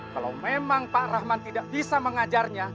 kalau memang pak rahman tidak bisa mengajarnya